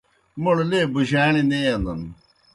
موْڑ لے بُجاݨیْ نہ اینَن۔